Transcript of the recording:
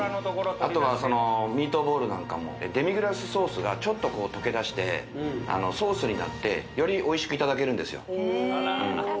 あとはミートボールなんかもデミグラスソースがちょっとこう溶けだしてソースになってよりおいしくいただけるんですよ